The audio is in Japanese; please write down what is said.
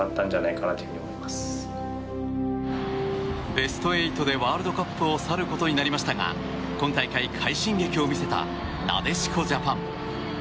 ベスト８でワールドカップを去ることになりましたが今大会、快進撃を見せたなでしこジャパン。